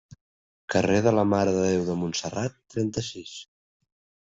Carrer de la Mare de Déu de Montserrat, trenta-sis.